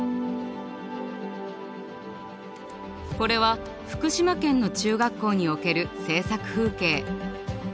これは福島県の中学校における制作風景。